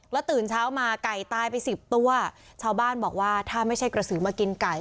ตื่นเช้ามาไก่ตายไปสิบตัวชาวบ้านบอกว่าถ้าไม่ใช่กระสือมากินไก่